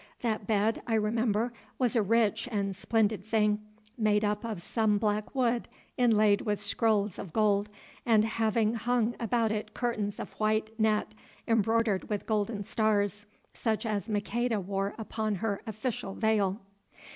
That bed, I remember, was a rich and splendid thing, made of some black wood inlaid with scrolls of gold, and having hung about it curtains of white net embroidered with golden stars, such as Maqueda wore upon her official veil.